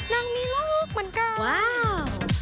นั่งมีลูกเหมือนกัน